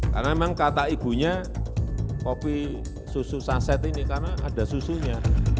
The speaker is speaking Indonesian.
karena memang kata ibunya kopi susu sunset ini karena ada susunya